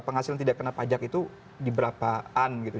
penghasilan tidak kena pajak itu di berapaan gitu